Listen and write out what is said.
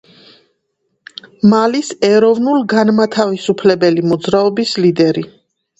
მალის ეროვნულ-განმათავისუფლებელი მოძრაობის ლიდერი.